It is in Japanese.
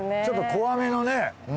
ちょっと怖めのね